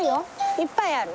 いっぱいある。